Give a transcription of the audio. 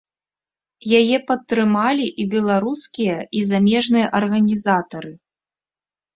Яе падтрымалі і беларускія, і замежныя арганізатары.